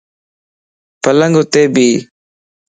پلنگ ات ٻي